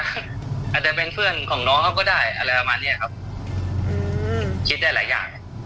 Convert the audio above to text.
อาจจะเป็นเพื่อนของน้องเขาก็ได้อะไรประมาณเนี้ยครับอืมคิดได้หลายอย่าง